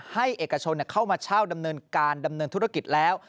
เอกชนเข้ามาเช่าดำเนินการดำเนินธุรกิจแล้ว